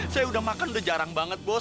saya udah makan udah jarang banget bos